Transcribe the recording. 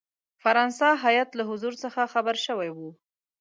فرانسه هیات له حضور څخه خبر شوی وو.